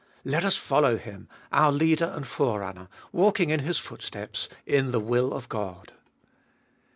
Let us follow Him, our Leader and Forerunner, walhing in His footsteps, in the will of God.